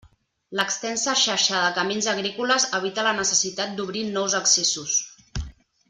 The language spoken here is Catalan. L'extensa xarxa de camins agrícoles evita la necessitat d'obrir nous accessos.